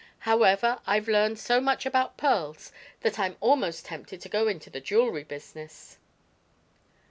However, I've learned so much about pearls that I'm almost tempted to go into the jewelry business."